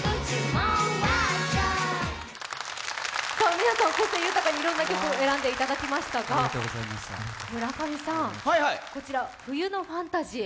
皆さん、個性豊かないろんな曲を選んでいただきましたが村上さん、「冬のファンタジー」。